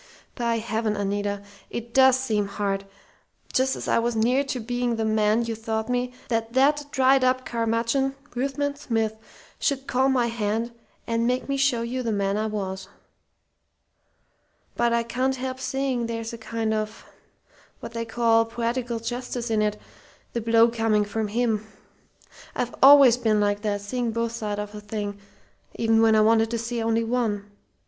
"By heaven, Anita, it does seem hard, just as I was near to being the man you thought me, that that dried up curmudgeon Ruthven Smith should call my hand and make me show you the man I was! But I can't help seeing there's a kind of what they call poetical justice in it, the blow coming from him. I've always been like that: seeing both sides of a thing even when I wanted to see only one.